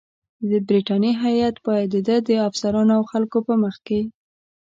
د برټانیې هیات باید د ده د افسرانو او خلکو په مخ کې.